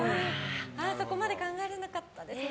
そこまで考えられなかったですね。